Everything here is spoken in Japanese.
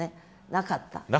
なかった。